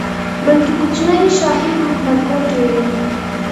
بلکې کوچني شاهي حکومت ګوټي وو.